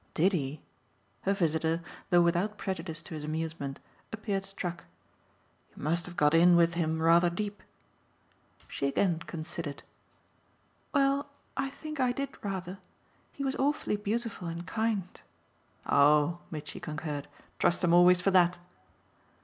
"Did he?" Her visitor, though without prejudice to his amusement, appeared struck. "You must have got in with him rather deep." She again considered. "Well, I think I did rather. He was awfully beautiful and kind." "Oh," Mitchy concurred, "trust him always for that!"